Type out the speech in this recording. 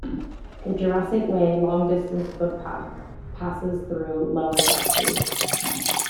The Jurassic Way long-distance footpath passes through Lower Catesby.